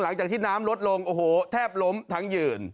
หลังจากที่น้ำลดลงโอ้โหแทบล้มทั้งยืน